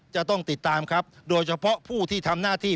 จะต้องติดตามครับโดยเฉพาะผู้ที่ทำหน้าที่